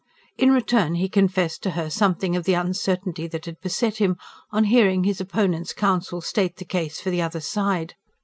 In return he confessed to her something of the uncertainty that had beset him, on hearing his opponent's counsel state the case for the other side.